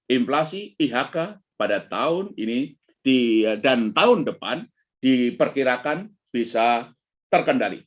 inflasi ihk pada tahun ini dan tahun depan diperkirakan bisa terkendali